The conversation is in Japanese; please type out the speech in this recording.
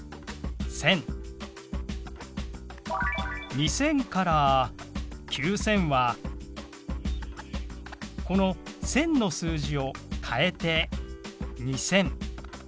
２０００から９０００はこの「１０００」の数字を変えて２０００。